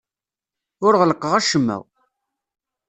Ur ɣellqeɣ acemma.